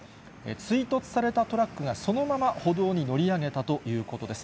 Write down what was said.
追突されたトラックがそのまま歩道に乗り上げたということです。